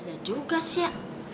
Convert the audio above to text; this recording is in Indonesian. ada juga sih ya